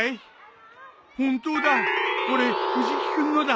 本当だこれ藤木君のだ！